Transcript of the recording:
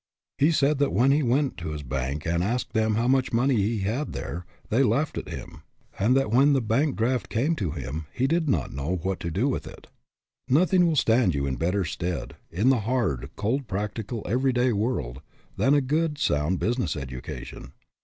He said that when he went to his bank and asked them how much money he had there, they laughed at him; and that when a bank draft came to him he did not know what to do with it. Nothing will stand you in better stead, in the hard, cold practical everyday world, than a good, sound business education.